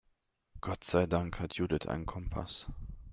Gott sei Dank hat Judith einen Kompass.